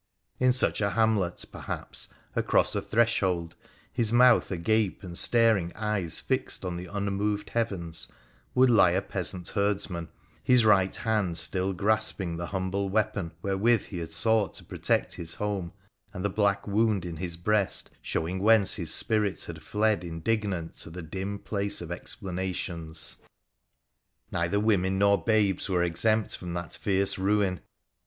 In such a hamlet, per haps, across a threshold, his mouth agape and staring eyes fixed on the unmoved heavens, would lie a peasant herdsman, his right hand still grasping the humble weapon wherewith he had sought to protect his home, and the black wound in his breast showing whence his spirit had fled indignant to the dim Place of Explanations. Neither women nor babes were exempt from that fierce nun.